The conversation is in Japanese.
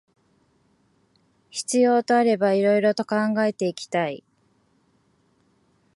必要とあれば色々と考えていきたい